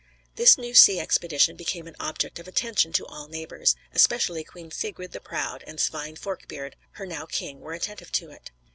This new sea expedition became an object of attention to all neighbors; especially Queen Sigrid the Proud and Svein Forkbeard, her now king, were attentive to it.